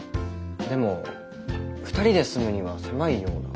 でも２人で住むには狭いような。